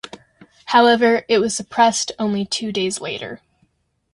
However, it was suppressed only two days later.